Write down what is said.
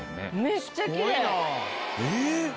めっちゃきれい！